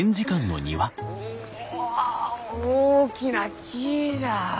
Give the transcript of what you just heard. お大きな木じゃ！